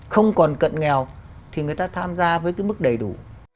không còn cận nghèo thì người ta tham gia với cái mức đầy đủ